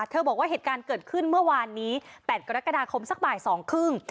บอกว่าเหตุการณ์เกิดขึ้นเมื่อวานนี้๘กรกฎาคมสักบ่าย๒๓๐